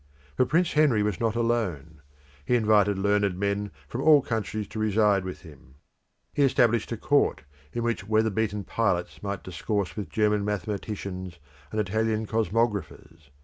But Prince Henry was not alone. He invited learned men from all countries to reside with him. He established a court, in which weather beaten pilots might discourse with German mathematicians and Italian cosmographers.